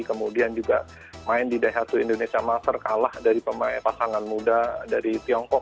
kemudian juga main di daihatsu indonesia master kalah dari pasangan muda dari tiongkok